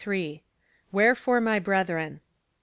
Wherefore, my brethren.